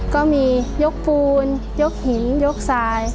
ก็มียกปูนยกหินยกทราย